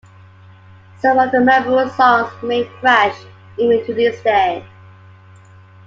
Some of the memorable songs remain fresh even to this day.